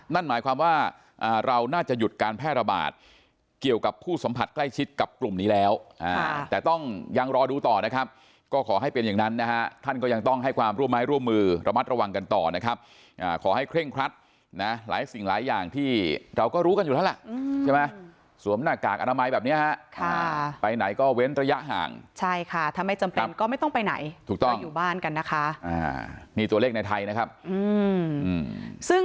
นั่นหมายความว่าเราน่าจะหยุดการแพร่ระบาดเกี่ยวกับผู้สัมผัสใกล้ชิดกับกลุ่มนี้แล้วแต่ต้องยังรอดูต่อนะครับก็ขอให้เป็นอย่างนั้นนะฮะท่านก็ยังต้องให้ความร่วมไม้ร่วมมือระมัดระวังกันต่อนะครับขอให้เคร่งครัดนะหลายสิ่งหลายอย่างที่เราก็รู้กันอยู่แล้วล่ะสวมหน้ากากอนามัยแบบนี้ฮะไปไหนก็เว้น